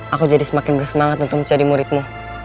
aku jadi semakin bersemangat untuk mencari muridmu